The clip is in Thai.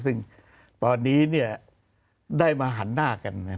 ซึ่งตอนนี้ได้มาหันหน้ากัน